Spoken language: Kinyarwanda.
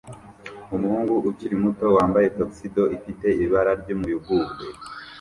Umuhungu ukiri muto wambaye tuxedo ifite ibara ry'umuyugubwe